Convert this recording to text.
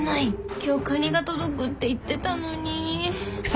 今日カニが届くって言ってたのに。